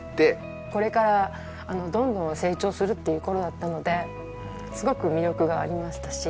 これからどんどん成長するっていう頃だったのですごく魅力がありましたし。